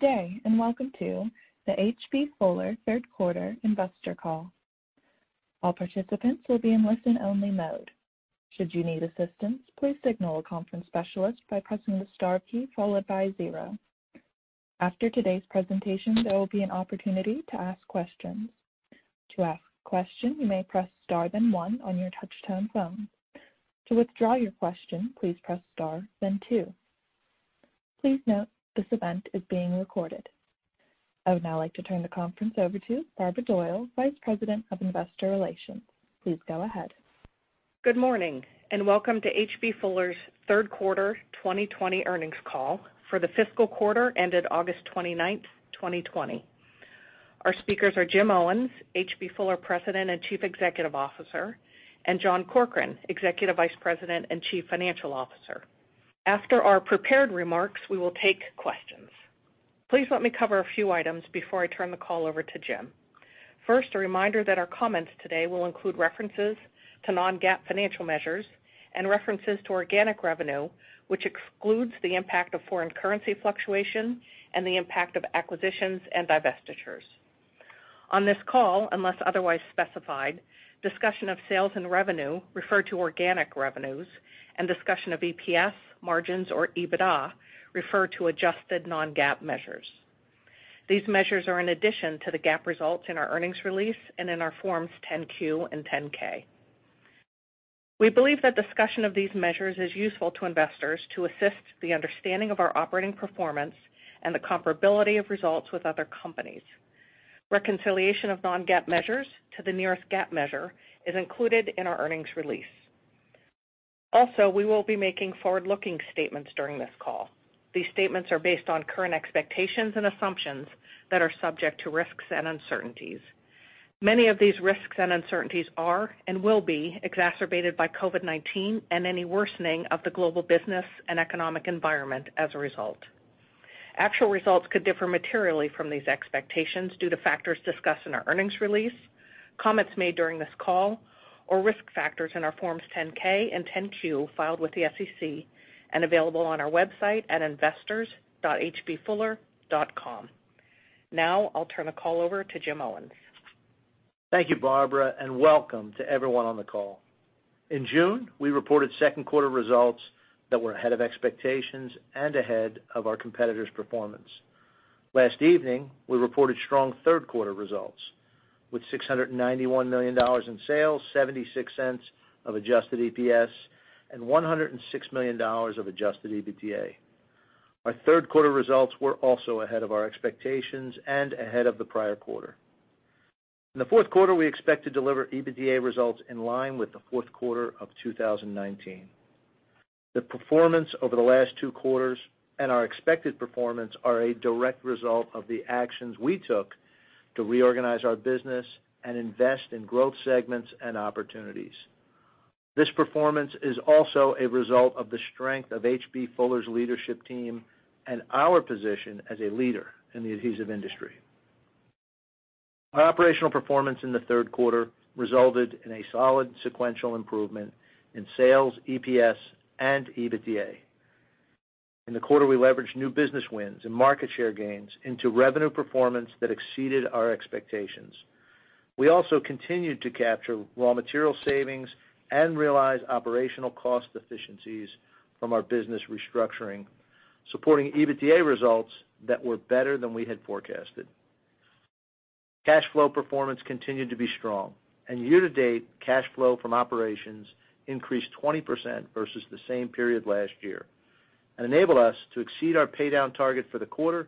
Good day, and welcome to the H.B. Fuller Third Quarter Investor Call. All participants will be in listen-only mode. Should you need assistance, please signal a conference specialist by pressing the star key followed by zero. After today's presentation, there will be an opportunity to ask questions. To ask a question, you may press star then one on your touchtone phone. To withdraw your question, please press star then two. Please note, this event is being recorded. I would now like to turn the conference over to Barbara Doyle, Vice President of Investor Relations. Please go ahead. Good morning, and welcome to H.B. Fuller's third quarter 2020 earnings call for the fiscal quarter ended August 29th, 2020. Our speakers are Jim Owens, H.B. Fuller President and Chief Executive Officer, and John Corkrean, Executive Vice President and Chief Financial Officer. After our prepared remarks, we will take questions. Please let me cover a few items before I turn the call over to Jim. First, a reminder that our comments today will include references to non-GAAP financial measures and references to organic revenue, which excludes the impact of foreign currency fluctuation and the impact of acquisitions and divestitures. On this call, unless otherwise specified, discussion of sales and revenue refer to organic revenues, and discussion of EPS, margins, or EBITDA refer to adjusted non-GAAP measures. These measures are in addition to the GAAP results in our earnings release and in our Forms 10-Q and 10-K. We believe that discussion of these measures is useful to investors to assist the understanding of our operating performance and the comparability of results with other companies. Reconciliation of non-GAAP measures to the nearest GAAP measure is included in our earnings release. We will be making forward-looking statements during this call. These statements are based on current expectations and assumptions that are subject to risks and uncertainties. Many of these risks and uncertainties are and will be exacerbated by COVID-19 and any worsening of the global business and economic environment as a result. Actual results could differ materially from these expectations due to factors discussed in our earnings release, comments made during this call, or risk factors in our Forms 10-K and 10-Q filed with the SEC and available on our website at investors.hbfuller.com. I'll turn the call over to Jim Owens. Thank you, Barbara, and welcome to everyone on the call. In June, we reported second quarter results that were ahead of expectations and ahead of our competitors' performance. Last evening, we reported strong third quarter results with $691 million in sales, $0.76 of adjusted EPS, and $106 million of adjusted EBITDA. Our third quarter results were also ahead of our expectations and ahead of the prior quarter. In the fourth quarter, we expect to deliver EBITDA results in line with the fourth quarter of 2019. The performance over the last two quarters and our expected performance are a direct result of the actions we took to reorganize our business and invest in growth segments and opportunities. This performance is also a result of the strength of H.B. Fuller's leadership team and our position as a leader in the adhesive industry. Our operational performance in the third quarter resulted in a solid sequential improvement in sales, EPS, and EBITDA. In the quarter, we leveraged new business wins and market share gains into revenue performance that exceeded our expectations. We also continued to capture raw material savings and realize operational cost efficiencies from our business restructuring, supporting EBITDA results that were better than we had forecasted. Cash flow performance continued to be strong. Year to date, cash flow from operations increased 20% versus the same period last year and enabled us to exceed our paydown target for the quarter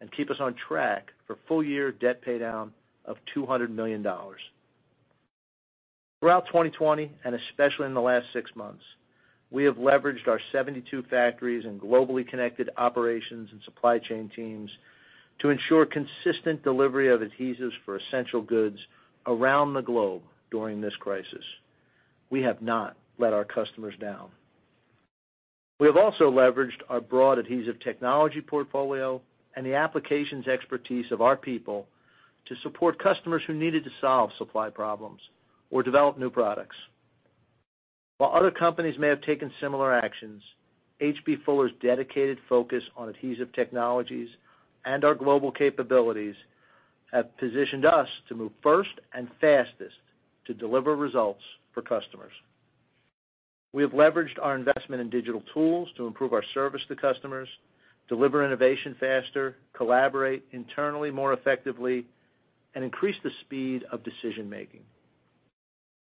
and keep us on track for full year debt paydown of $200 million. Throughout 2020, and especially in the last six months, we have leveraged our 72 factories and globally connected operations and supply chain teams to ensure consistent delivery of adhesives for essential goods around the globe during this crisis. We have not let our customers down. We have also leveraged our broad adhesive technology portfolio and the applications expertise of our people to support customers who needed to solve supply problems or develop new products. While other companies may have taken similar actions, H.B. Fuller's dedicated focus on adhesive technologies and our global capabilities have positioned us to move first and fastest to deliver results for customers. We have leveraged our investment in digital tools to improve our service to customers, deliver innovation faster, collaborate internally more effectively, and increase the speed of decision making.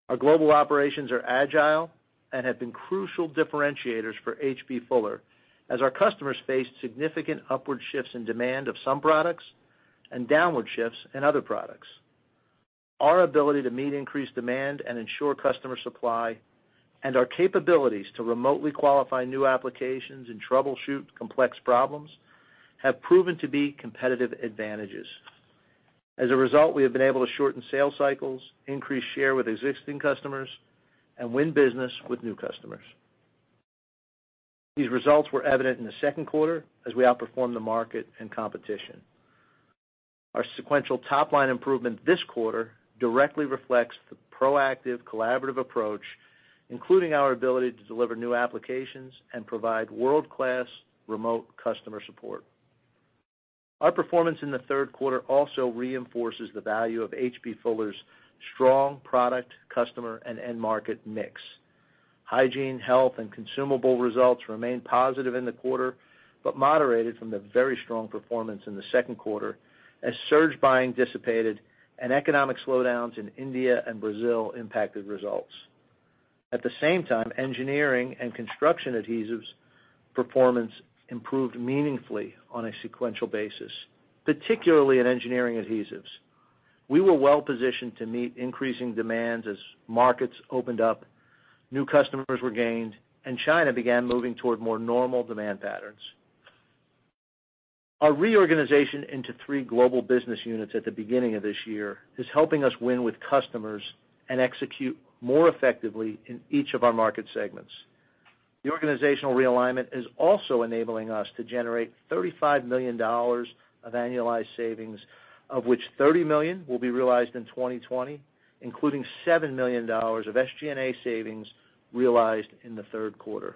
Our global operations are agile and have been crucial differentiators for H.B. Fuller as our customers faced significant upward shifts in demand of some products and downward shifts in other products. Our ability to meet increased demand and ensure customer supply, and our capabilities to remotely qualify new applications and troubleshoot complex problems have proven to be competitive advantages. As a result, we have been able to shorten sales cycles, increase share with existing customers, and win business with new customers. These results were evident in the second quarter as we outperformed the market and competition. Our sequential top line improvement this quarter directly reflects the proactive collaborative approach, including our ability to deliver new applications and provide world-class remote customer support. Our performance in the third quarter also reinforces the value of H.B. Fuller's strong product, customer, and end market mix. Hygiene, health, and consumable results remained positive in the quarter, but moderated from the very strong performance in the second quarter as surge buying dissipated and economic slowdowns in India and Brazil impacted results. At the same time, engineering and construction adhesives performance improved meaningfully on a sequential basis, particularly in engineering adhesives. We were well positioned to meet increasing demands as markets opened up, new customers were gained, and China began moving toward more normal demand patterns. Our reorganization into three global business units at the beginning of this year is helping us win with customers and execute more effectively in each of our market segments. The organizational realignment is also enabling us to generate $35 million of annualized savings, of which $30 million will be realized in 2020, including $7 million of SG&A savings realized in the third quarter.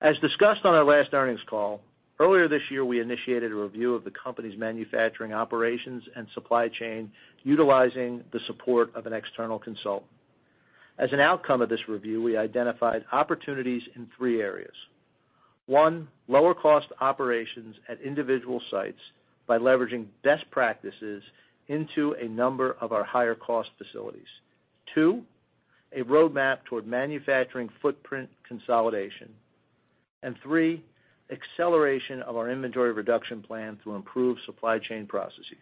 As discussed on our last earnings call, earlier this year, we initiated a review of the company's manufacturing operations and supply chain, utilizing the support of an external consultant. As an outcome of this review, we identified opportunities in three areas. One, lower cost operations at individual sites by leveraging best practices into a number of our higher cost facilities. Two, a roadmap toward manufacturing footprint consolidation. Three, acceleration of our inventory reduction plan to improve supply chain processes.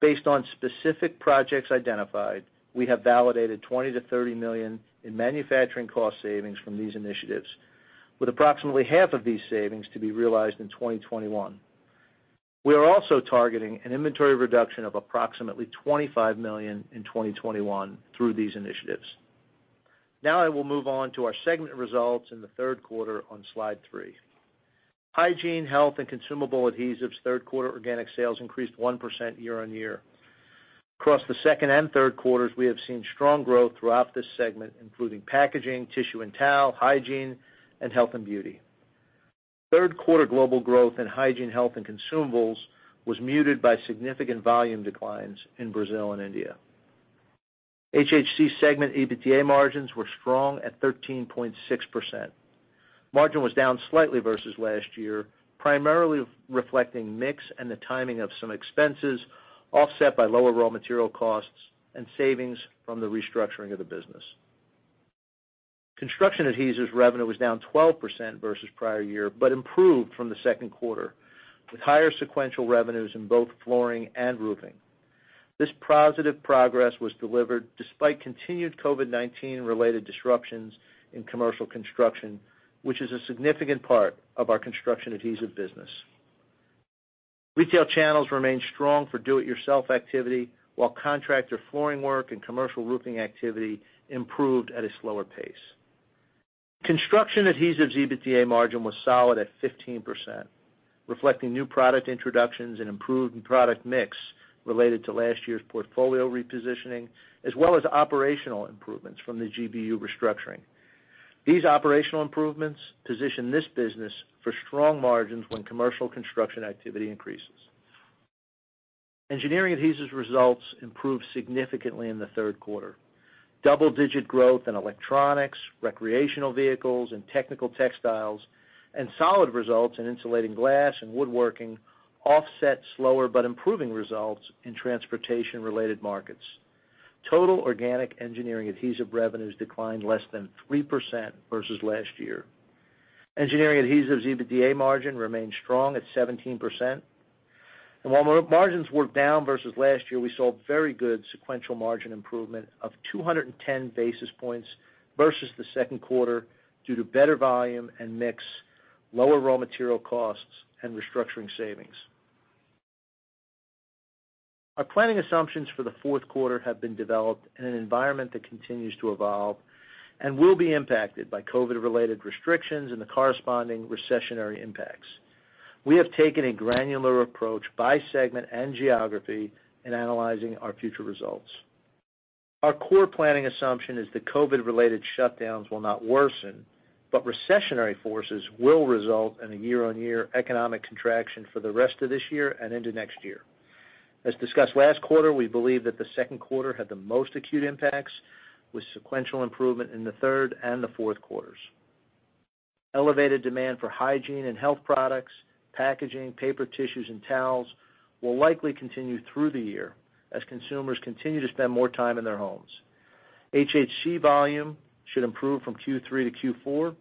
Based on specific projects identified, we have validated $20 million-$30 million in manufacturing cost savings from these initiatives, with approximately half of these savings to be realized in 2021. We are also targeting an inventory reduction of approximately $25 million in 2021 through these initiatives. Now I will move on to our segment results in the third quarter on slide three. Hygiene, Health, and Consumable Adhesives third quarter organic sales increased 1% year-on-year. Across the second and third quarters, we have seen strong growth throughout this segment, including packaging, tissue and towel, hygiene, and health and beauty. Third quarter global growth in hygiene, health, and consumables was muted by significant volume declines in Brazil and India. HHC segment EBITDA margins were strong at 13.6%. Margin was down slightly versus last year, primarily reflecting mix and the timing of some expenses, offset by lower raw material costs and savings from the restructuring of the business. Construction adhesives revenue was down 12% versus prior year, improved from the second quarter, with higher sequential revenues in both flooring and roofing. This positive progress was delivered despite continued COVID-19 related disruptions in commercial construction, which is a significant part of our construction adhesive business. Retail channels remained strong for do-it-yourself activity, while contractor flooring work and commercial roofing activity improved at a slower pace. Construction adhesives EBITDA margin was solid at 15%, reflecting new product introductions and improved product mix related to last year's portfolio repositioning, as well as operational improvements from the GBU restructuring. These operational improvements position this business for strong margins when commercial construction activity increases. Engineering adhesives results improved significantly in the third quarter. Double-digit growth in electronics, recreational vehicles, and technical textiles, and solid results in insulating glass and woodworking offset slower but improving results in transportation-related markets. Total organic engineering adhesive revenues declined less than 3% versus last year. Engineering adhesives EBITDA margin remained strong at 17%. While margins were down versus last year, we saw very good sequential margin improvement of 210 basis points versus the second quarter due to better volume and mix, lower raw material costs, and restructuring savings. Our planning assumptions for the fourth quarter have been developed in an environment that continues to evolve and will be impacted by COVID-related restrictions and the corresponding recessionary impacts. We have taken a granular approach by segment and geography in analyzing our future results. Our core planning assumption is that COVID-related shutdowns will not worsen, but recessionary forces will result in a year-on-year economic contraction for the rest of this year and into next year. As discussed last quarter, we believe that the second quarter had the most acute impacts, with sequential improvement in the third and the fourth quarters. Elevated demand for hygiene and health products, packaging, paper tissues, and towels will likely continue through the year as consumers continue to spend more time in their homes. HHC volume should improve from Q3 to Q4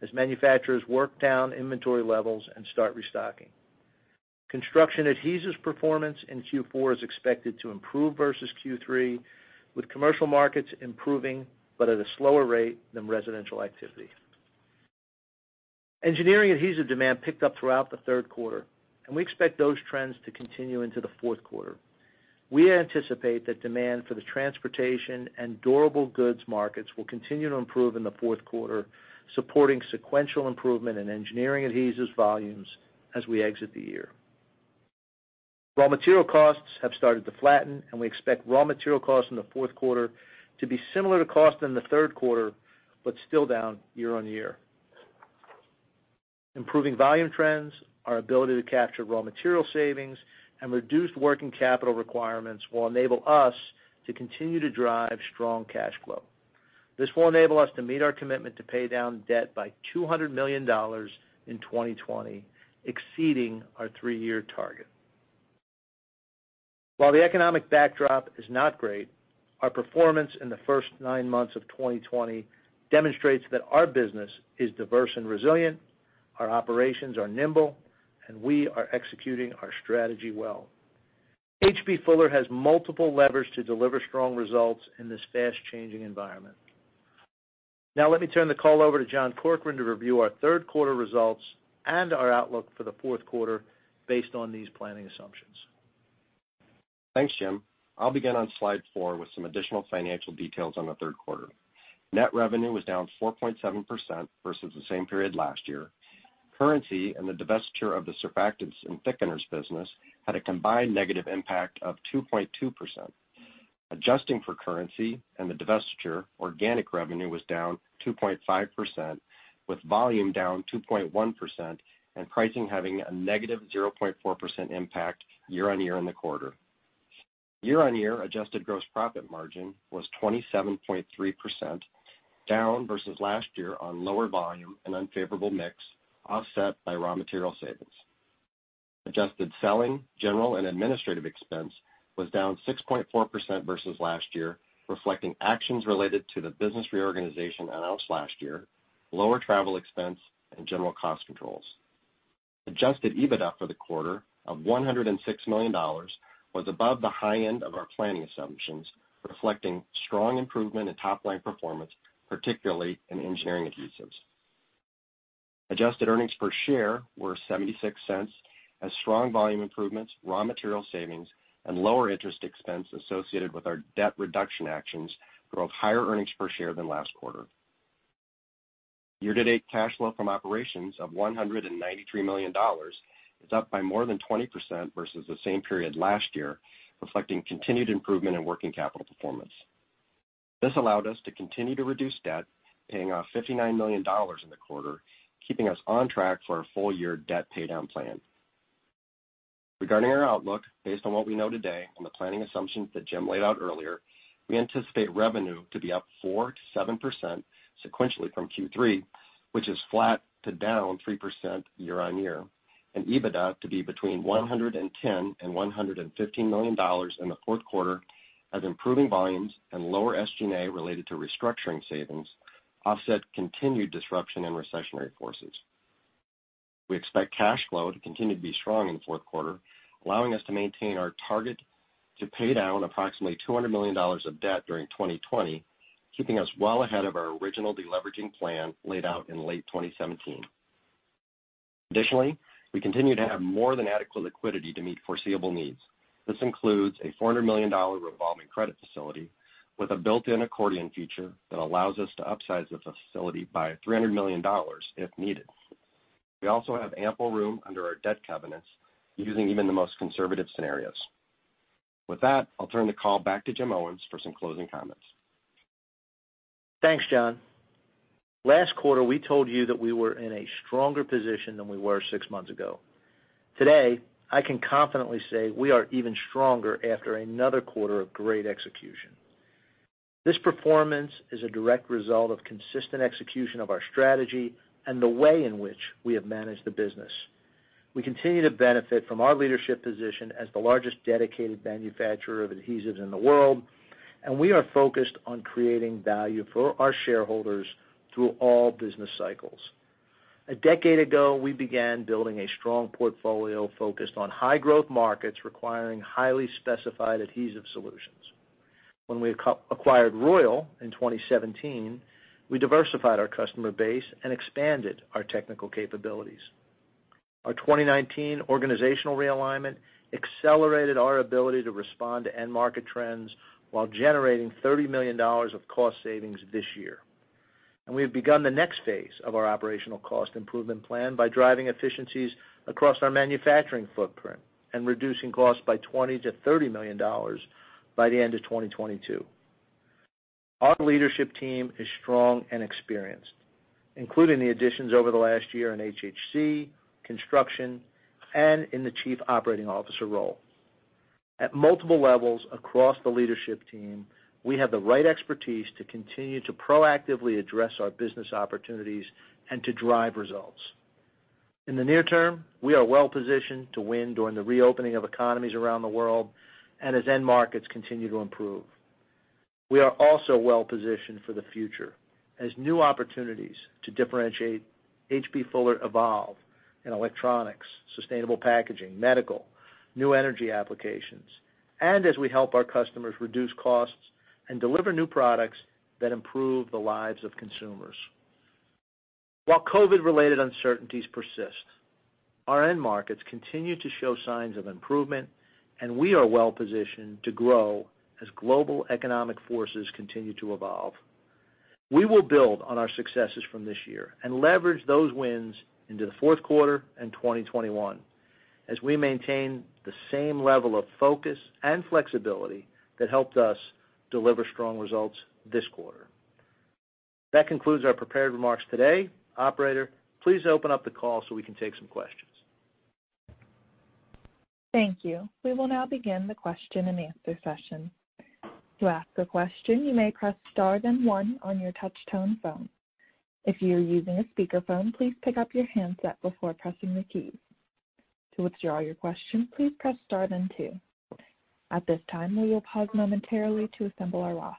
as manufacturers work down inventory levels and start restocking. Construction adhesives performance in Q4 is expected to improve versus Q3, with commercial markets improving, but at a slower rate than residential activity. Engineering adhesive demand picked up throughout the third quarter. We expect those trends to continue into the fourth quarter. We anticipate that demand for the transportation and durable goods markets will continue to improve in the fourth quarter, supporting sequential improvement in engineering adhesives volumes as we exit the year. Raw material costs have started to flatten. We expect raw material costs in the fourth quarter to be similar to costs in the third quarter, but still down year-on-year. Improving volume trends, our ability to capture raw material savings, and reduced working capital requirements will enable us to continue to drive strong cash flow. This will enable us to meet our commitment to pay down debt by $200 million in 2020, exceeding our three-year target. While the economic backdrop is not great, our performance in the first nine months of 2020 demonstrates that our business is diverse and resilient, our operations are nimble, and we are executing our strategy well. H.B. Fuller has multiple levers to deliver strong results in this fast-changing environment. Let me turn the call over to John Corkrean to review our third quarter results and our outlook for the fourth quarter based on these planning assumptions. Thanks, Jim. I'll begin on slide four with some additional financial details on the third quarter. Net revenue was down 4.7% versus the same period last year. Currency and the divestiture of the surfactants and thickeners business had a combined negative impact of 2.2%. Adjusting for currency and the divestiture, organic revenue was down 2.5%, with volume down 2.1% and pricing having a negative 0.4% impact year-on-year in the quarter. Year-on-year adjusted gross profit margin was 27.3%, down versus last year on lower volume and unfavorable mix, offset by raw material savings. Adjusted selling, general, and administrative expense was down 6.4% versus last year, reflecting actions related to the business reorganization announced last year, lower travel expense, and general cost controls. Adjusted EBITDA for the quarter of $106 million was above the high end of our planning assumptions, reflecting strong improvement in top-line performance, particularly in engineering adhesives. Adjusted earnings per share were $0.76, as strong volume improvements, raw material savings, and lower interest expense associated with our debt reduction actions drove higher earnings per share than last quarter. Year-to-date cash flow from operations of $193 million is up by more than 20% versus the same period last year, reflecting continued improvement in working capital performance. This allowed us to continue to reduce debt, paying off $59 million in the quarter, keeping us on track for our full-year debt paydown plan. Regarding our outlook, based on what we know today and the planning assumptions that Jim laid out earlier, we anticipate revenue to be up 4%-7% sequentially from Q3, which is flat to down 3% year-on-year, and EBITDA to be between $110 and $115 million in the fourth quarter as improving volumes and lower SG&A related to restructuring savings offset continued disruption and recessionary forces. We expect cash flow to continue to be strong in the fourth quarter, allowing us to maintain our target to pay down approximately $200 million of debt during 2020, keeping us well ahead of our original deleveraging plan laid out in late 2017. We continue to have more than adequate liquidity to meet foreseeable needs. This includes a $400 million revolving credit facility with a built-in accordion feature that allows us to upsize the facility by $300 million if needed. We also have ample room under our debt covenants using even the most conservative scenarios. I'll turn the call back to Jim Owens for some closing comments. Thanks, John. Last quarter, we told you that we were in a stronger position than we were six months ago. Today, I can confidently say we are even stronger after another quarter of great execution. This performance is a direct result of consistent execution of our strategy and the way in which we have managed the business. We continue to benefit from our leadership position as the largest dedicated manufacturer of adhesives in the world, and we are focused on creating value for our shareholders through all business cycles. A decade ago, we began building a strong portfolio focused on high-growth markets requiring highly specified adhesive solutions. When we acquired Royal in 2017, we diversified our customer base and expanded our technical capabilities. Our 2019 organizational realignment accelerated our ability to respond to end market trends while generating $30 million of cost savings this year. We have begun the next phase of our operational cost improvement plan by driving efficiencies across our manufacturing footprint and reducing costs by $20 million-$30 million by the end of 2022. Our leadership team is strong and experienced, including the additions over the last year in HHC, construction, and in the chief operating officer role. At multiple levels across the leadership team, we have the right expertise to continue to proactively address our business opportunities and to drive results. In the near term, we are well positioned to win during the reopening of economies around the world and as end markets continue to improve. We are also well positioned for the future, as new opportunities to differentiate H.B. Fuller evolve in electronics, sustainable packaging, medical, new energy applications, and as we help our customers reduce costs and deliver new products that improve the lives of consumers. While COVID-19 related uncertainties persist, our end markets continue to show signs of improvement, and we are well positioned to grow as global economic forces continue to evolve. We will build on our successes from this year and leverage those wins into the fourth quarter and 2021, as we maintain the same level of focus and flexibility that helped us deliver strong results this quarter. That concludes our prepared remarks today. Operator, please open up the call so we can take some questions. Thank you. We will now begin the question-and-answer session. To ask a question, you may press star then one on your touchtone phone. If you are using a speakerphone, please pick up your handset before touching the key. To withdraw your question, please press star then two. At this time, we will pause momentarily to assemble our list.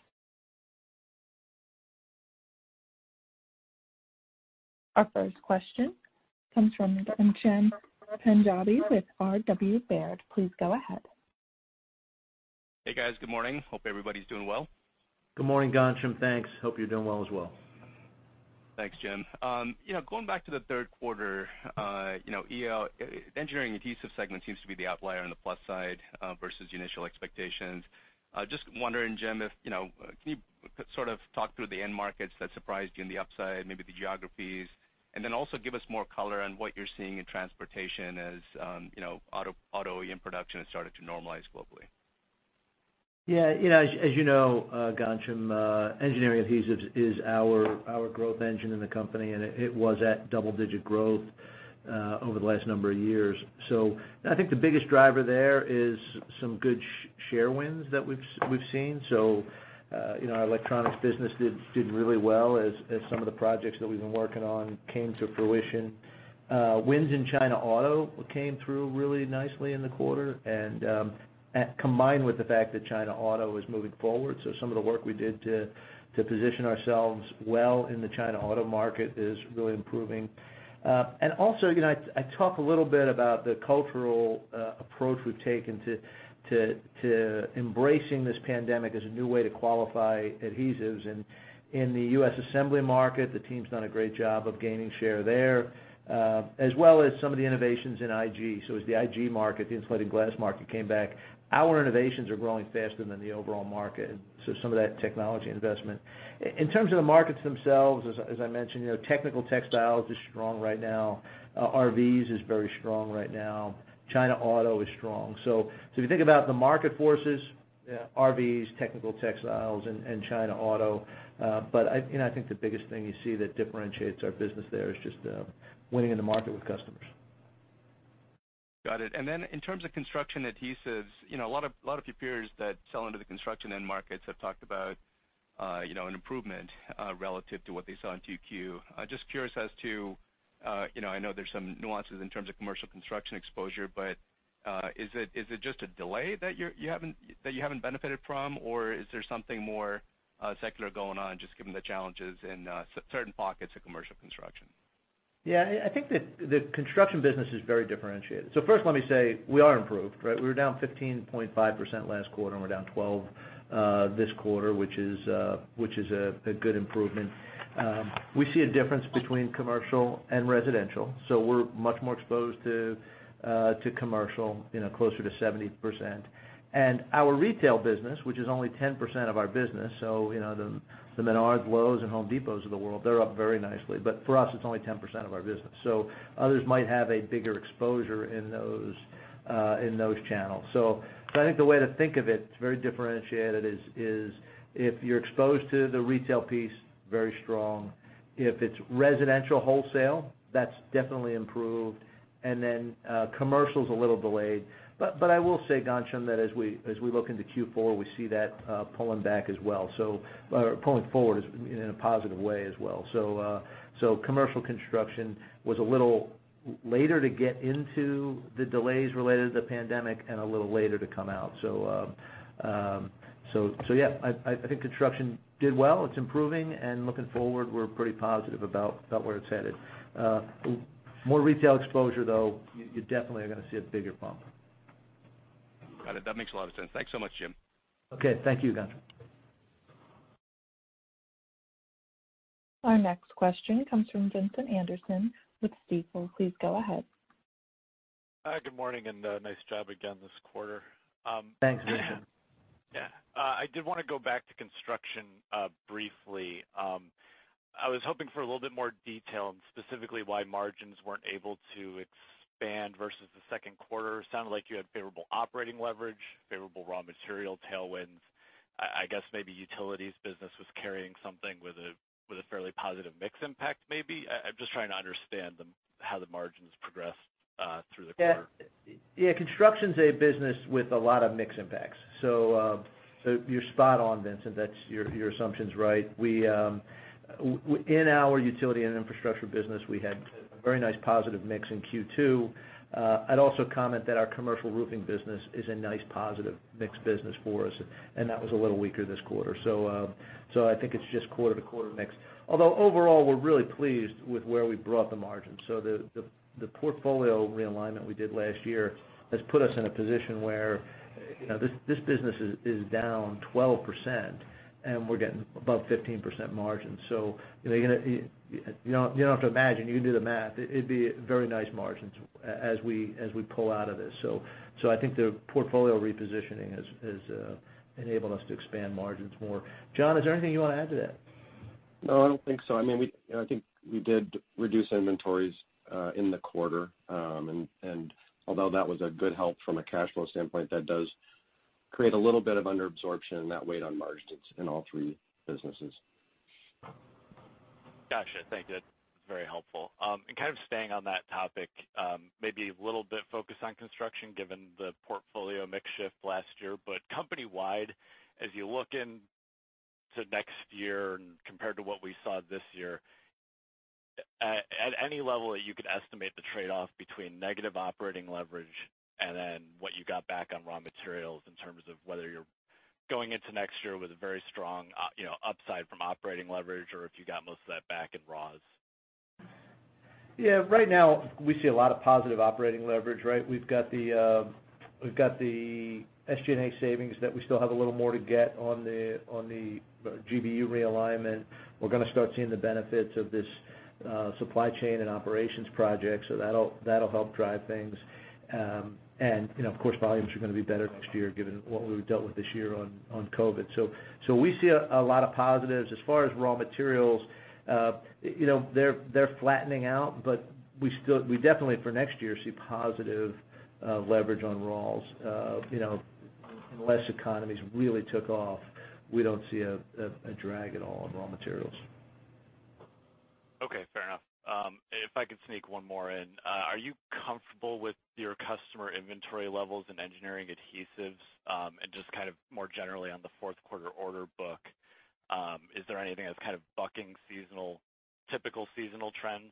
Our first question comes from Ghansham Panjabi with R.W. Baird. Please go ahead. Hey, guys. Good morning. Hope everybody's doing well. Good morning, Ghansham. Thanks. Hope you're doing well as well. Thanks, Jim. Going back to the third quarter, Engineering Adhesive segment seems to be the outlier on the plus side, versus the initial expectations. Just wondering, Jim, can you talk through the end markets that surprised you on the upside, maybe the geographies, and then also give us more color on what you're seeing in transportation as auto production has started to normalize globally. Yeah. As you know, Ghansham, engineering adhesives is our growth engine in the company. It was at double-digit growth over the last number of years. I think the biggest driver there is some good share wins that we've seen. Our electronics business did really well as some of the projects that we've been working on came to fruition. Wins in China Auto came through really nicely in the quarter. Combined with the fact that China Auto is moving forward. Some of the work we did to position ourselves well in the China Auto market is really improving. Also, I talk a little bit about the cultural approach we've taken to embracing this pandemic as a new way to qualify adhesives. In the U.S. assembly market, the team's done a great job of gaining share there, as well as some of the innovations in IG. As the IG market, the insulated glass market, came back, our innovations are growing faster than the overall market, so some of that technology investment. In terms of the markets themselves, as I mentioned, technical textiles is strong right now. RVs is very strong right now. China Auto is strong. If you think about the market forces, RVs, technical textiles, and China Auto. I think the biggest thing you see that differentiates our business there is just winning in the market with customers. Got it. In terms of construction adhesives, a lot of your peers that sell into the construction end markets have talked about an improvement relative to what they saw in 2Q. Just curious as to, I know there's some nuances in terms of commercial construction exposure, but is it just a delay that you haven't benefited from, or is there something more secular going on, just given the challenges in certain pockets of commercial construction? Yeah, I think that the construction business is very differentiated. First let me say, we are improved, right? We were down 15.5% last quarter, and we're down 12% this quarter, which is a good improvement. We see a difference between commercial and residential. We're much more exposed to commercial, closer to 70%. Our retail business, which is only 10% of our business, the Menards, Lowe's, and Home Depot of the world, they're up very nicely. For us, it's only 10% of our business. Others might have a bigger exposure in those channels. I think the way to think of it's very differentiated, is if you're exposed to the retail piece, very strong. If it's residential wholesale, that's definitely improved. Commercial's a little delayed. I will say, Ghansham, that as we look into Q4, we see that pulling back as well. Pulling forward in a positive way as well. Commercial construction was a little later to get into the delays related to the pandemic and a little later to come out. Yeah, I think construction did well. It's improving, and looking forward, we're pretty positive about where it's headed. More retail exposure, though, you definitely are going to see a bigger bump. Got it. That makes a lot of sense. Thanks so much, Jim. Okay. Thank you, Ghansham. Our next question comes from Vincent Anderson with Stifel. Please go ahead. Hi, good morning, and nice job again this quarter. Thanks, Vincent. Yeah. I did want to go back to construction briefly. I was hoping for a little bit more detail on specifically why margins weren't able to expand versus the second quarter. Sounded like you had favorable operating leverage, favorable raw material tailwinds. I guess maybe utilities business was carrying something with a fairly positive mix impact, maybe? I'm just trying to understand how the margins progressed through the quarter. Yeah. Construction's a business with a lot of mix impacts. You're spot on, Vincent. Your assumption's right. In our utility and infrastructure business, we had a very nice positive mix in Q2. I'd also comment that our commercial roofing business is a nice positive mix business for us, and that was a little weaker this quarter. I think it's just quarter to quarter mix. Although overall, we're really pleased with where we've brought the margins. The portfolio realignment we did last year has put us in a position where this business is down 12%, and we're getting above 15% margins. You don't have to imagine. You can do the math. It'd be very nice margins as we pull out of this. I think the portfolio repositioning has enabled us to expand margins more. John, is there anything you want to add to that? No, I don't think so. I think we did reduce inventories in the quarter. Although that was a good help from a cash flow standpoint, that does create a little bit of under-absorption and that weighed on margins in all three businesses. Got you. Thank you. That's very helpful. Kind of staying on that topic, maybe a little bit focused on construction, given the portfolio mix shift last year. Company-wide, as you look into next year and compared to what we saw this year, at any level that you could estimate the trade-off between negative operating leverage and then what you got back on raw materials in terms of whether you're going into next year with a very strong upside from operating leverage, or if you got most of that back in raws. Yeah. Right now, we see a lot of positive operating leverage, right. We've got the SG&A savings that we still have a little more to get on the GBU realignment. We're going to start seeing the benefits of this supply chain and operations project, so that'll help drive things. Of course, volumes are going to be better next year given what we've dealt with this year on COVID. We see a lot of positives. As far as raw materials, they're flattening out, but we definitely, for next year, see positive leverage on raws. Unless economies really took off, we don't see a drag at all on raw materials. Okay, fair enough. If I could sneak one more in, are you comfortable with your customer inventory levels in engineering adhesives? Just kind of more generally on the fourth quarter order book, is there anything that's kind of bucking typical seasonal trends?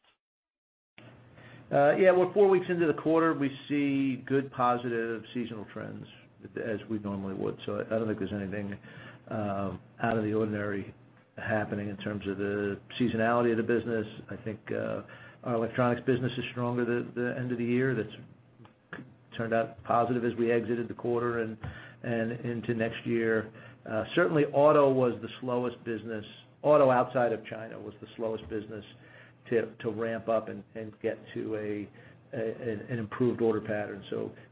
Yeah. We're four weeks into the quarter. We see good positive seasonal trends as we normally would. I don't think there's anything out of the ordinary happening in terms of the seasonality of the business. I think our electronics business is stronger the end of the year. That's turned out positive as we exited the quarter and into next year. Certainly, auto outside of China was the slowest business to ramp up and get to an improved order pattern.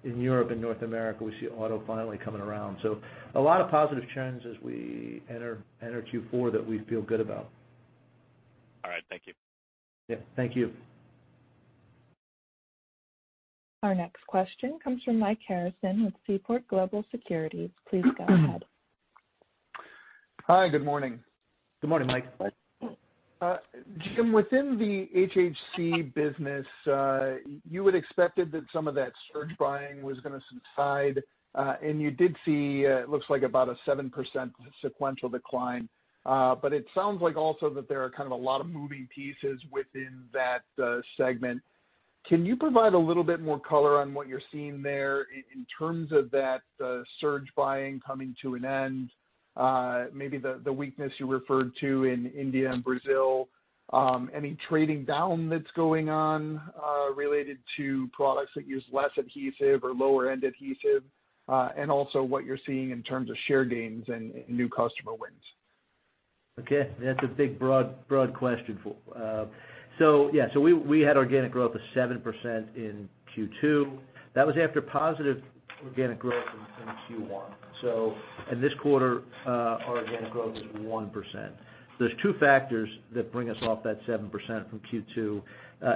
In Europe and North America, we see auto finally coming around. A lot of positive trends as we enter Q4 that we feel good about. All right. Thank you. Yeah. Thank you. Our next question comes from Mike Harrison with Seaport Global Securities. Please go ahead. Hi. Good morning. Good morning, Mike. Jim, within the HHC business, you would expected that some of that surge buying was going to subside. You did see, it looks like about a 7% sequential decline. It sounds like also that there are kind of a lot of moving pieces within that segment. Can you provide a little bit more color on what you're seeing there in terms of that surge buying coming to an end? Maybe the weakness you referred to in India and Brazil. Any trading down that's going on related to products that use less adhesive or lower-end adhesive. Also, what you're seeing in terms of share gains and new customer wins? Okay. That's a big, broad question. We had organic growth of 7% in Q2. That was after positive organic growth in Q1. In this quarter, our organic growth was 1%. There's two factors that bring us off that 7% from Q2.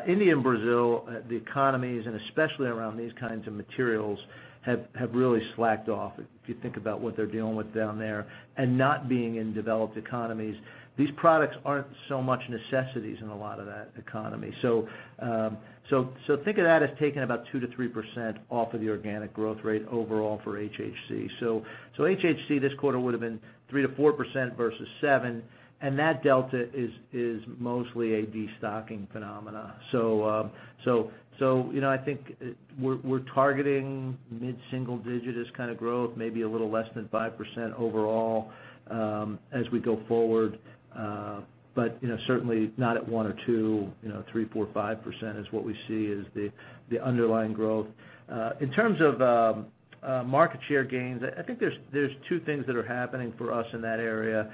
India and Brazil, the economies, and especially around these kinds of materials, have really slacked off. If you think about what they're dealing with down there and not being in developed economies, these products aren't so much necessities in a lot of that economy. Think of that as taking about 2%-3% off of the organic growth rate overall for HHC. HHC this quarter would've been 3%-4% versus 7%, and that delta is mostly a destocking phenomena. I think we're targeting mid-single digit as kind of growth, maybe a little less than 5% overall as we go forward. Certainly not at 1% or 2%, 3%, 4%, 5% is what we see as the underlying growth. In terms of market share gains, I think there's two things that are happening for us in that area.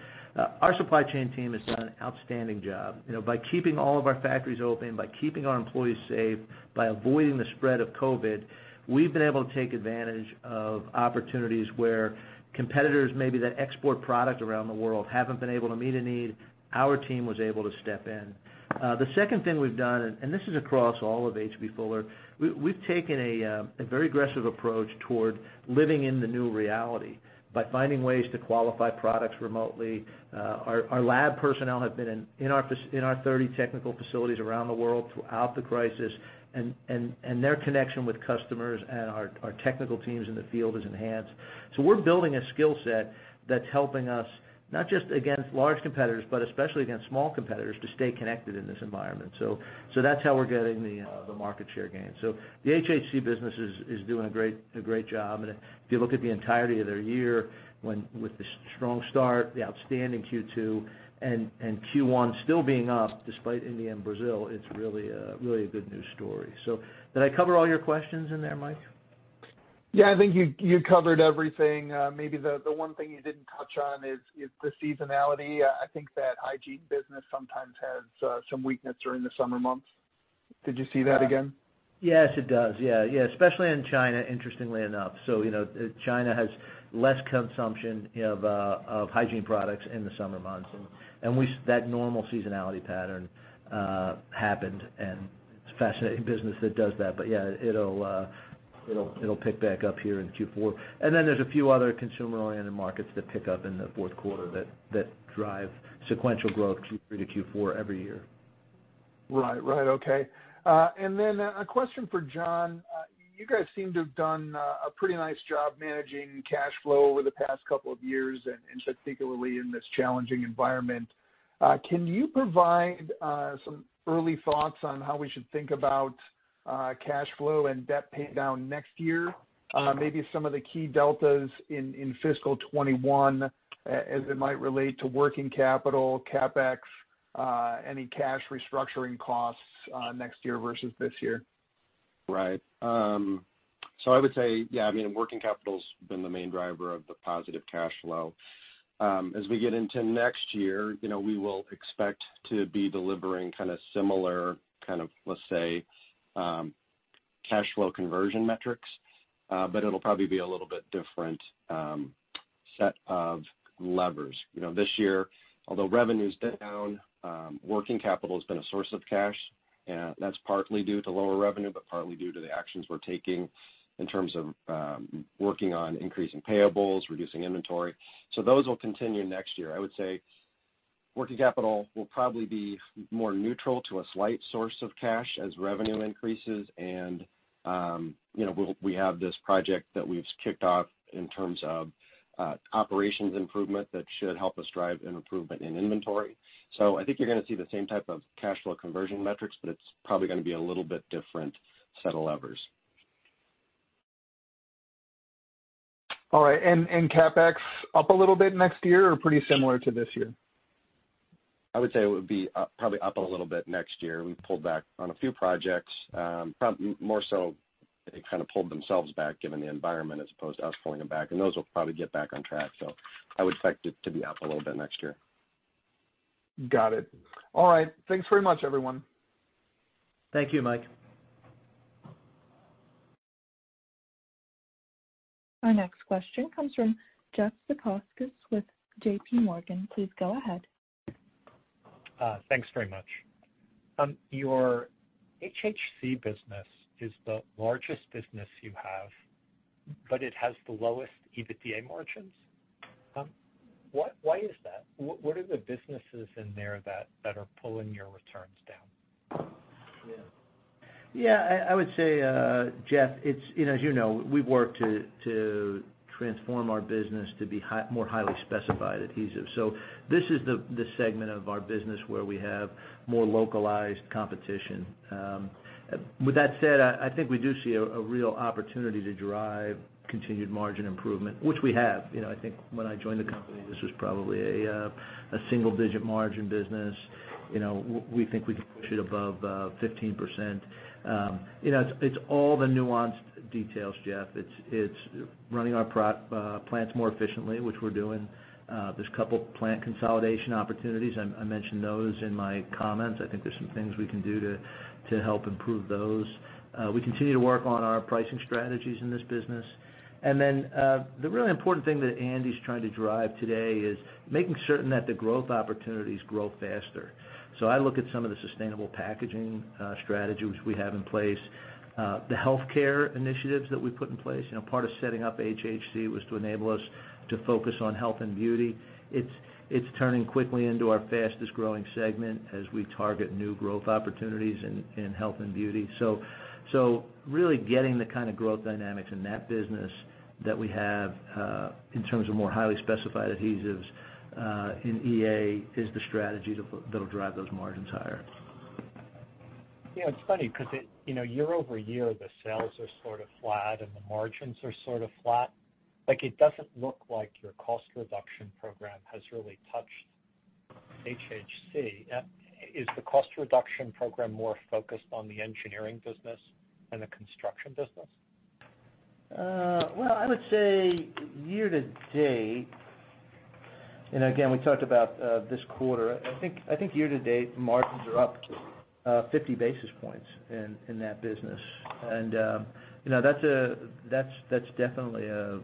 Our supply chain team has done an outstanding job. By keeping all of our factories open, by keeping our employees safe, by avoiding the spread of COVID-19, we've been able to take advantage of opportunities where competitors, maybe that export product around the world, haven't been able to meet a need. Our team was able to step in. The second thing we've done, and this is across all of H.B. Fuller, we've taken a very aggressive approach toward living in the new reality by finding ways to qualify products remotely. Our lab personnel have been in our 30 technical facilities around the world throughout the crisis, and their connection with customers and our technical teams in the field is enhanced. We're building a skill set that's helping us, not just against large competitors, but especially against small competitors to stay connected in this environment. That's how we're getting the market share gain. The HHC business is doing a great job, and if you look at the entirety of their year with the strong start, the outstanding Q2, and Q1 still being up despite India and Brazil, it's really a good news story. Did I cover all your questions in there, Mike? Yeah, I think you covered everything. Maybe the one thing you didn't touch on is the seasonality. I think that hygiene business sometimes has some weakness during the summer months. Did you see that again? Yes, it does. Especially in China, interestingly enough. China has less consumption of hygiene products in the summer months. That normal seasonality pattern happened, and it's a fascinating business that does that. Yeah, it'll pick back up here in Q4. There're a few other consumer-oriented markets that pick up in the fourth quarter that drive sequential growth Q3 to Q4 every year. Right. Okay. Then a question for John. You guys seem to have done a pretty nice job managing cash flow over the past couple of years, and particularly in this challenging environment. Can you provide some early thoughts on how we should think about cash flow and debt paydown next year? Maybe some of the key deltas in fiscal 2021, as it might relate to working capital, CapEx, any cash restructuring costs next year versus this year. Right. I would say, working capital's been the main driver of the positive cash flow. As we get into next year, we will expect to be delivering similar, let's say, cash flow conversion metrics. It'll probably be a little bit different set of levers. This year, although revenue's down, working capital has been a source of cash, and that's partly due to lower revenue, but partly due to the actions we're taking in terms of working on increasing payables, reducing inventory. Those will continue next year. I would say working capital will probably be more neutral to a slight source of cash as revenue increases and we have this project that we've kicked off in terms of operations improvement that should help us drive an improvement in inventory. I think you're going to see the same type of cash flow conversion metrics, but it's probably going to be a little bit different set of levers. All right. CapEx up a little bit next year, or pretty similar to this year? I would say it would be probably up a little bit next year. We pulled back on a few projects. Probably more so they kind of pulled themselves back given the environment as opposed to us pulling them back, and those will probably get back on track. I would expect it to be up a little bit next year. Got it. All right. Thanks very much, everyone. Thank you, Mike. Our next question comes from Jeffrey Zekauskas with JPMorgan. Please go ahead. Thanks very much. Your HHC business is the largest business you have, but it has the lowest EBITDA margins. Why is that? What are the businesses in there that are pulling your returns down? I would say, Jeff, as you know, we've worked to transform our business to be more highly-specified adhesive. This is the segment of our business where we have more localized competition. With that said, I think we do see a real opportunity to drive continued margin improvement, which we have. I think when I joined the company, this was probably a single-digit margin business. We think we can push it above 15%. It's all the nuanced details, Jeff. It's running our plants more efficiently, which we're doing. There's a couple plant consolidation opportunities. I mentioned those in my comments. I think there's some things we can do to help improve those. We continue to work on our pricing strategies in this business. The really important thing that Andy's trying to drive today is making certain that the growth opportunities grow faster. I look at some of the sustainable packaging strategies we have in place. The healthcare initiatives that we put in place. Part of setting up HHC was to enable us to focus on health and beauty. It's turning quickly into our fastest growing segment as we target new growth opportunities in health and beauty. Really getting the kind of growth dynamics in that business that we have, in terms of more highly specified adhesives, in EA is the strategy that'll drive those margins higher. It's funny because year-over-year, the sales are sort of flat, and the margins are sort of flat. It doesn't look like your cost reduction program has really touched HHC. Is the cost reduction program more focused on the engineering business than the construction business? Well, I would say year to date, and again, we talked about this quarter, I think year to date margins are up 50 basis points in that business. That's definitely a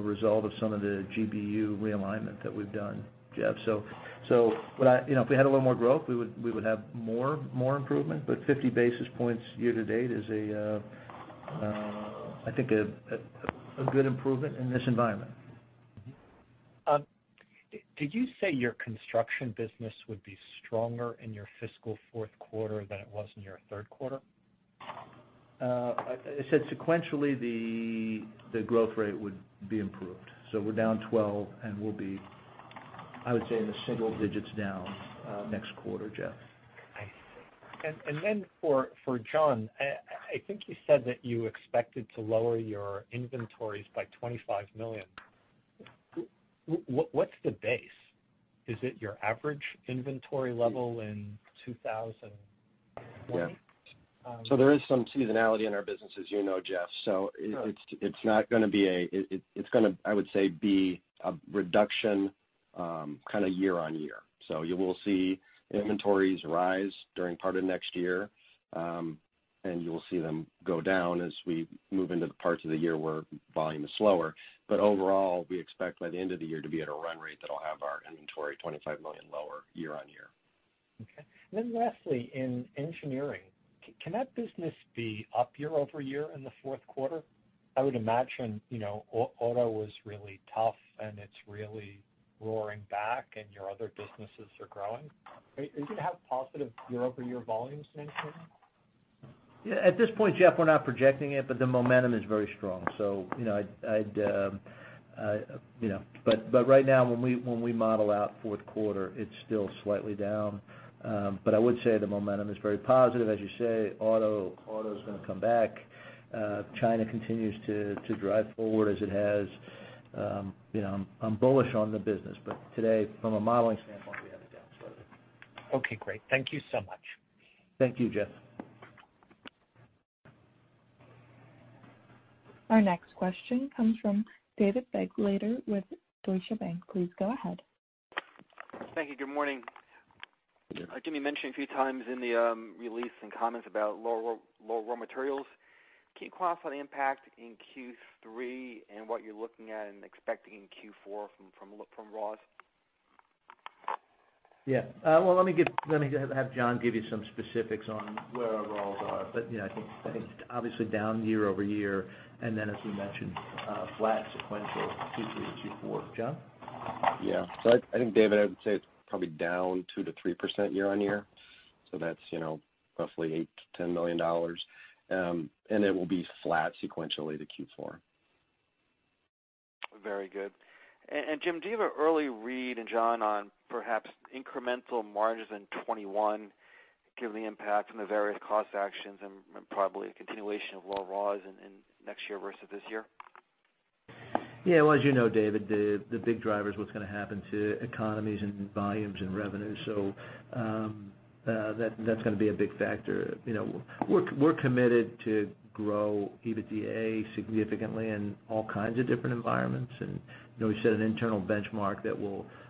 result of some of the GBU realignment that we've done, Jeff. If we had a little more growth, we would have more improvement. 50 basis points year to date is, I think, a good improvement in this environment. Did you say your construction business would be stronger in your fiscal fourth quarter than it was in your third quarter? I said sequentially, the growth rate would be improved. We're down 12, and we'll be, I would say, in the single digits down next quarter, Jeff. I see. For John, I think you said that you expected to lower your inventories by $25 million. What's the base? Is it your average inventory level in 2020? Yeah. There is some seasonality in our business, as you know, Jeff. Right. It's not going to be, I would say, a reduction kind of year-on-year. You will see inventories rise during part of next year, and you will see them go down as we move into the parts of the year where volume is slower. Overall, we expect by the end of the year to be at a run rate that'll have our inventory $25 million lower year-on-year. Okay. Lastly, in engineering, can that business be up year-over-year in the fourth quarter? I would imagine auto was really tough, and it's really roaring back. Your other businesses are growing. Are you going to have positive year-over-year volumes in engineering? Yeah. At this point, Jeff, we're not projecting it, the momentum is very strong. Right now, when we model out fourth quarter, it's still slightly down. I would say the momentum is very positive. As you say, Auto is going to come back. China continues to drive forward as it has. I'm bullish on the business, today, from a modeling standpoint, we have it down slightly. Okay, great. Thank you so much. Thank you, Jeff. Our next question comes from David Begleiter with Deutsche Bank. Please go ahead. Thank you. Good morning. Jim, you mentioned a few times in the release and comments about lower raw materials. Can you quantify the impact in Q3 and what you're looking at and expecting in Q4 from raw materials? Yeah. Well, let me have John give you some specifics on where our raw materials are. I think it's obviously down year-over-year, and then as we mentioned, flat sequential Q3 to Q4. John? Yeah. I think, David, I would say it's probably down 2%-3% year-on-year. That's roughly $8 million-$10 million. It will be flat sequentially to Q4. Very good. Jim, do you have an early read, and John on perhaps incremental margins in 2021, given the impact from the various cost actions and probably a continuation of low raws in next year versus this year? Yeah. Well, as you know, David, the big driver is what's going to happen to economies and volumes and revenue. That's going to be a big factor. We're committed to grow EBITDA significantly in all kinds of different environments, and we set an internal benchmark that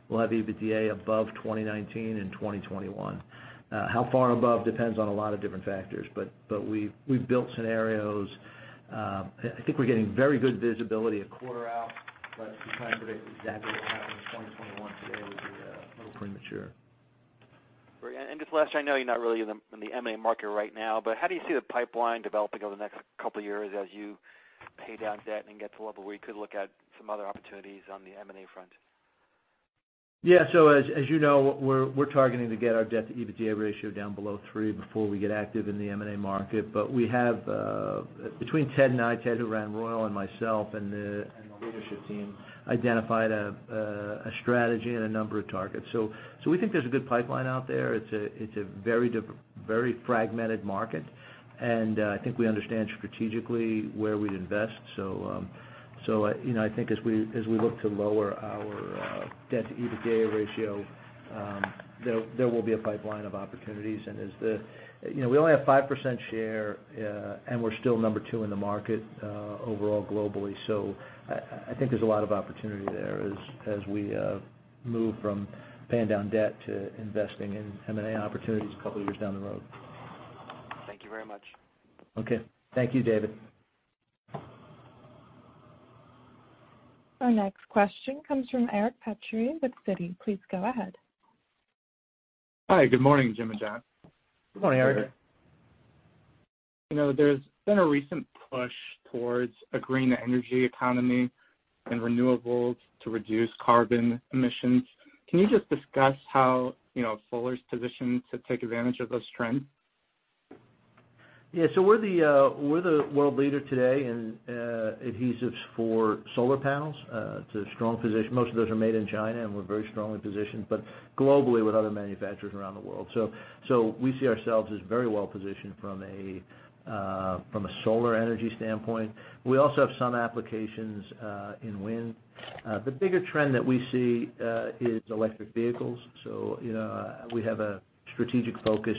we'll have EBITDA above 2019 and 2021. How far above depends on a lot of different factors, but we've built scenarios. I think we're getting very good visibility a quarter out, but to try and predict exactly what will happen in 2021 today would be a little premature. Great. Just last, I know you're not really in the M&A market right now, but how do you see the pipeline developing over the next couple of years as you pay down debt and get to a level where you could look at some other opportunities on the M&A front? Yeah. As you know, we're targeting to get our debt to EBITDA ratio down below three before we get active in the M&A market. Between Ted and I, Ted who ran Royal and myself, and the leadership team identified a strategy and a number of targets. We think there's a good pipeline out there. It's a very fragmented market, and I think we understand strategically where we'd invest. I think as we look to lower our debt to EBITDA ratio, there will be a pipeline of opportunities. We only have 5% share, and we're still number two in the market, overall, globally. I think there's a lot of opportunity there as we move from paying down debt to investing in M&A opportunities a couple of years down the road. Thank you very much. Okay. Thank you, David. Our next question comes from Eric Petrie with Citi. Please go ahead. Hi. Good morning, Jim and John. Good morning, Eric. Good morning. There's been a recent push towards a green energy economy and renewables to reduce carbon emissions. Can you just discuss how Fuller's positioned to take advantage of this trend? We're the world leader today in adhesives for solar panels. It's a strong position. Most of those are made in China, and we're very strongly positioned, but globally with other manufacturers around the world. We see ourselves as very well positioned from a solar energy standpoint. We also have some applications in wind. The bigger trend that we see is electric vehicles. We have a strategic focus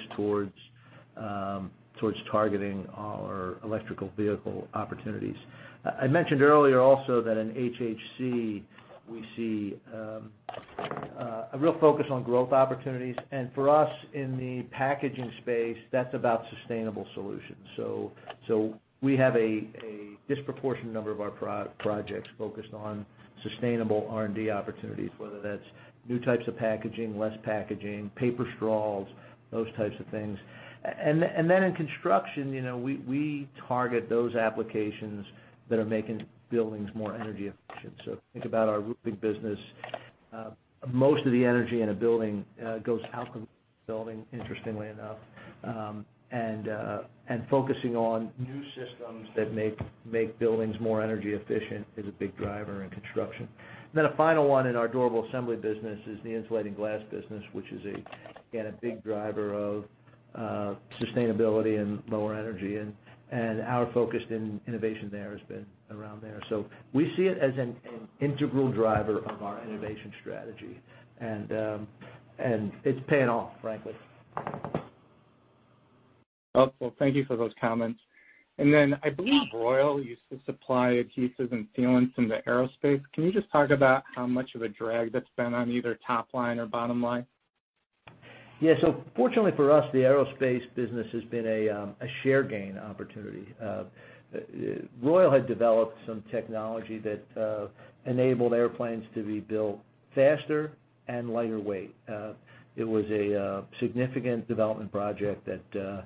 towards targeting our electrical vehicle opportunities. I mentioned earlier also that in HHC, we see a real focus on growth opportunities. For us in the packaging space, that's about sustainable solutions. We have a disproportionate number of our projects focused on sustainable R&D opportunities, whether that's new types of packaging, less packaging, paper straws, those types of things. In construction, we target those applications that are making buildings more energy efficient. Think about our roofing business. Most of the energy in a building goes out the roof of the building, interestingly enough. Focusing on new systems that make buildings more energy efficient is a big driver in construction. Then a final one in our durable assembly business is the insulating glass business, which is, again, a big driver of sustainability and lower energy, and our focus in innovation there has been around there. We see it as an integral driver of our innovation strategy, and it's paying off, frankly. Oh, cool. Thank you for those comments. I believe Royal used to supply adhesives and sealants in the aerospace. Can you just talk about how much of a drag that's been on either top line or bottom line? Fortunately for us, the aerospace business has been a share gain opportunity. Royal had developed some technology that enabled airplanes to be built faster and lighter weight. It was a significant development project that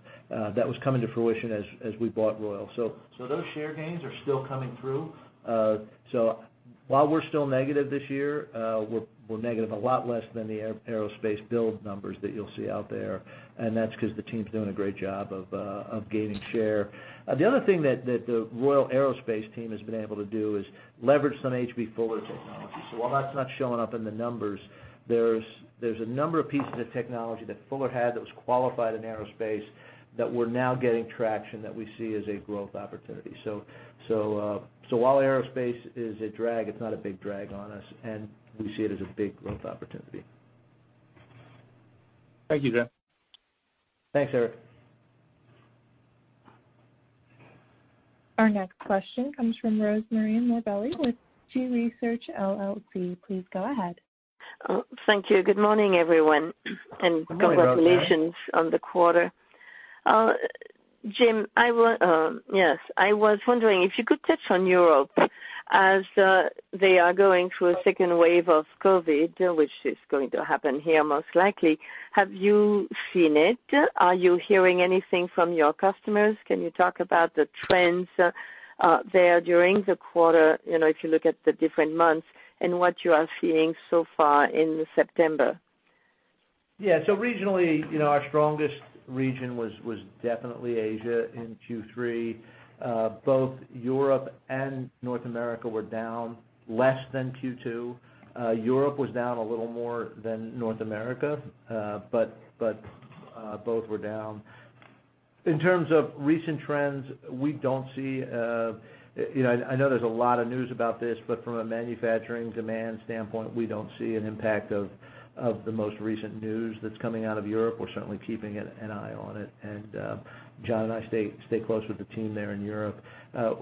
was coming to fruition as we bought Royal. Those share gains are still coming through. While we're still negative this year, we're negative a lot less than the aerospace build numbers that you'll see out there. That's because the team's doing a great job of gaining share. The other thing that the Royal Aerospace team has been able to do is leverage some H.B. Fuller technology. While that's not showing up in the numbers, there's a number of pieces of technology that Fuller had that was qualified in aerospace that we're now getting traction that we see as a growth opportunity. While aerospace is a drag, it's not a big drag on us, and we see it as a big growth opportunity. Thank you, Jim. Thanks, Eric. Our next question comes from Rosemarie Morbelli with G.research, LLC. Please go ahead. Oh, thank you. Good morning, everyone. Good morning, Rosemarie. Congratulations on the quarter. Jim, I was wondering if you could touch on Europe as they are going through a second wave of COVID, which is going to happen here most likely. Have you seen it? Are you hearing anything from your customers? Can you talk about the trends there during the quarter, if you look at the different months and what you are seeing so far in September? Yeah. Regionally, our strongest region was definitely Asia in Q3. Both Europe and North America were down less than Q2. Europe was down a little more than North America. Both were down. In terms of recent trends, I know there's a lot of news about this, but from a manufacturing demand standpoint, we don't see an impact of the most recent news that's coming out of Europe. We're certainly keeping an eye on it. John and I stay close with the team there in Europe.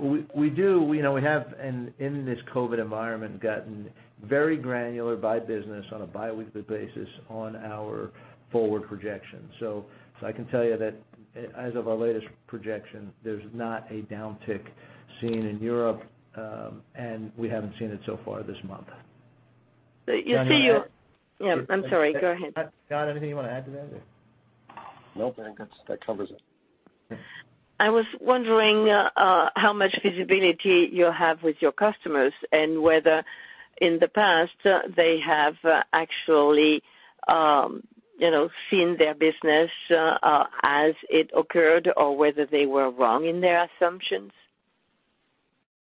We have, in this COVID-19 environment, gotten very granular by business on a biweekly basis on our forward projections. I can tell you that as of our latest projection, there's not a downtick seen in Europe, and we haven't seen it so far this month. You see. John, do you want to add? Yeah. I'm sorry. Go ahead. John, anything you want to add to that? No, I think that covers it. Okay. I was wondering how much visibility you have with your customers and whether in the past they have actually seen their business as it occurred or whether they were wrong in their assumptions.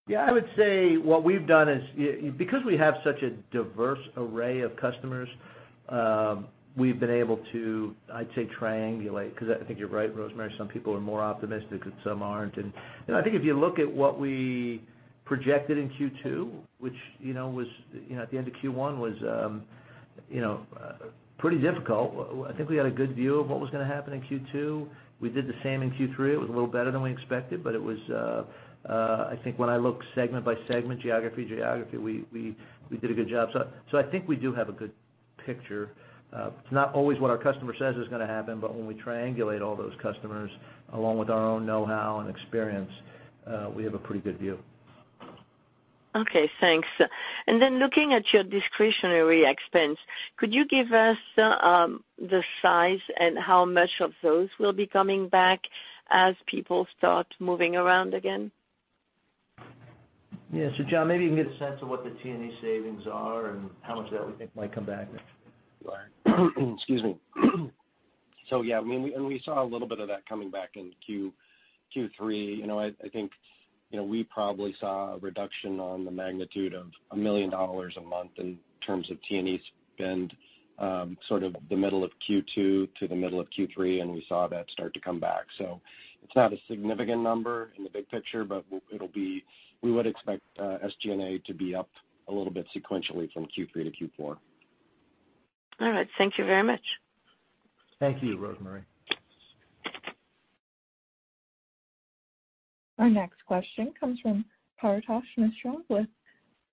Yeah, I would say what we've done is, because we have such a diverse array of customers, we've been able to, I'd say, triangulate, because I think you're right, Rosemarie, some people are more optimistic and some aren't. I think if you look at what we projected in Q2, which at the end of Q1 was pretty difficult. I think we had a good view of what was going to happen in Q2. We did the same in Q3. It was a little better than we expected, but I think when I look segment by segment, geography, we did a good job. I think we do have a good picture. It's not always what our customer says is going to happen, but when we triangulate all those customers along with our own know-how and experience, we have a pretty good view. Okay, thanks. Then looking at your discretionary expense, could you give us the size and how much of those will be coming back as people start moving around again? Yeah. John, maybe you can get a sense of what the T&E savings are and how much of that we think might come back. Sure. Excuse me. Yeah, we saw a little bit of that coming back in Q3. I think we probably saw a reduction on the magnitude of $1 million a month in terms of T&E spend, sort of the middle of Q2 to the middle of Q3, and we saw that start to come back. It's not a significant number in the big picture, but we would expect SG&A to be up a little bit sequentially from Q3 to Q4. All right. Thank you very much. Thank you, Rosemarie. Our next question comes from Paretosh Misra with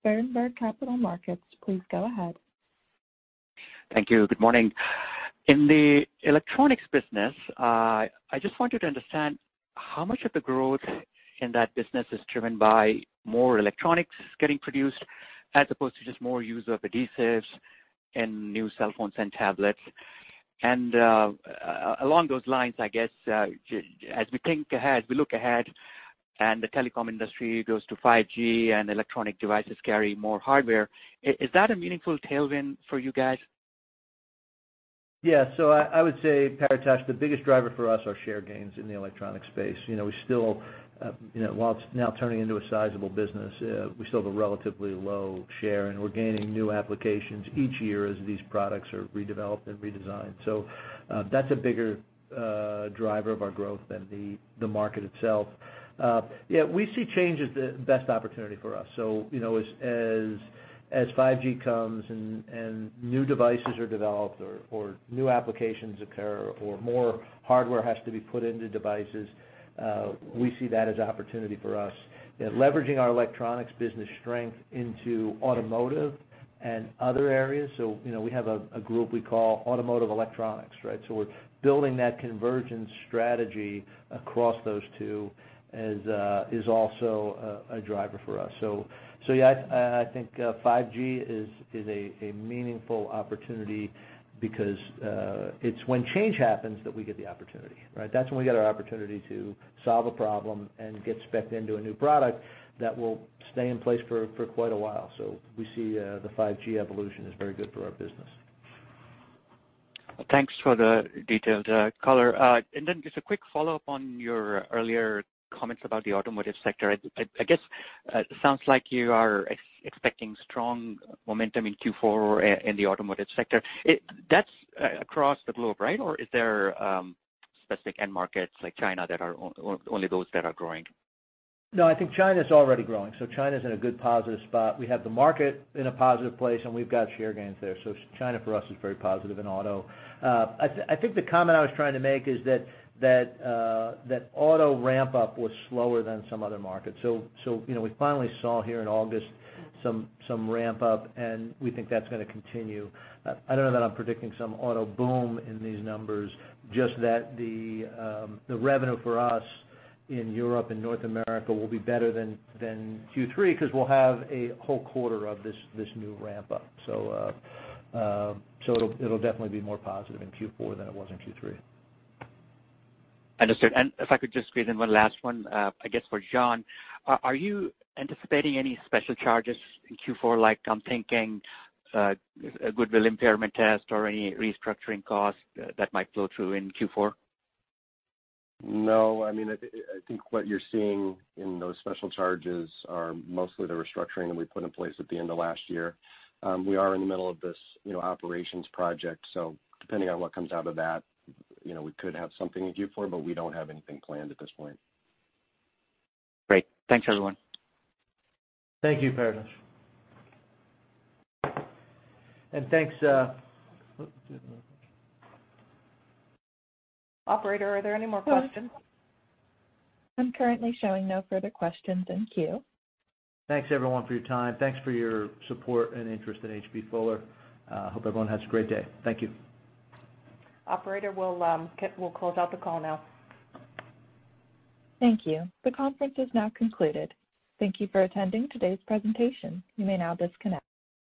Berenberg Capital Markets. Please go ahead. Thank you. Good morning. In the electronics business, I just wanted to understand how much of the growth in that business is driven by more electronics getting produced as opposed to just more use of adhesives in new cell phones and tablets. Along those lines, I guess, as we think ahead, we look ahead, and the telecom industry goes to 5G, and electronic devices carry more hardware. Is that a meaningful tailwind for you guys? Yeah. I would say, Paretosh, the biggest driver for us are share gains in the electronic space. While it's now turning into a sizable business, we still have a relatively low share, and we're gaining new applications each year as these products are redeveloped and redesigned. That's a bigger driver of our growth than the market itself. Yeah, we see change as the best opportunity for us. As 5G comes and new devices are developed or new applications occur or more hardware has to be put into devices, we see that as an opportunity for us. Leveraging our electronics business strength into automotive and other areas, we have a group we call automotive electronics, right? We're building that convergence strategy across those two is also a driver for us. Yeah, I think 5G is a meaningful opportunity because it's when change happens that we get the opportunity, right? That's when we get our opportunity to solve a problem and get spec'd into a new product that will stay in place for quite a while. We see the 5G evolution is very good for our business. Thanks for the detailed color. Just a quick follow-up on your earlier comments about the automotive sector. I guess, sounds like you are expecting strong momentum in Q4 in the automotive sector. That's across the globe, right? Is there specific end markets like China that are only those that are growing? I think China's already growing. China's in a good positive spot. We have the market in a positive place, and we've got share gains there. China for us is very positive in auto. I think the comment I was trying to make is that auto ramp-up was slower than some other markets. We finally saw here in August some ramp-up, and we think that's going to continue. I don't know that I'm predicting some auto boom in these numbers, just that the revenue for us in Europe and North America will be better than Q3, because we'll have a whole quarter of this new ramp-up. It'll definitely be more positive in Q4 than it was in Q3. Understood. If I could just squeeze in one last one, I guess for John. Are you anticipating any special charges in Q4 like I'm thinking, a goodwill impairment test or any restructuring costs that might flow through in Q4? No. I think what you're seeing in those special charges are mostly the restructuring that we put in place at the end of last year. We are in the middle of this operations project, so depending on what comes out of that, we could have something in Q4, but we don't have anything planned at this point. Great. Thanks, everyone. Thank you, Paretosh. Thanks. Operator, are there any more questions? I'm currently showing no further questions in queue. Thanks everyone for your time. Thanks for your support and interest in H.B. Fuller. Hope everyone has a great day. Thank you. Operator, we'll close out the call now. Thank you. The conference is now concluded. Thank you for attending today's presentation. You may now disconnect.